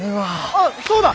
あっそうだ！